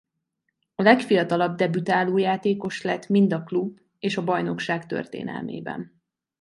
A legfiatalabb debütáló játékos lett mind a klub és a bajnokság történelmében.